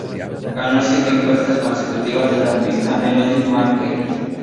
Ganó siete encuestas consecutivas de la revista "Melody Maker".